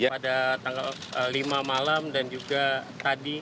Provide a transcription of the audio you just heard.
pada tanggal lima malam dan juga tadi